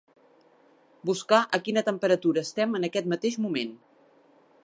Buscar a quina temperatura estem en aquest mateix moment.